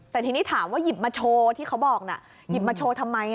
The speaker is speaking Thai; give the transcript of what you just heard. แต่ทีนี้ถามว่าหยิบมาโชว์ที่เขาบอกน่ะหยิบมาโชว์ทำไม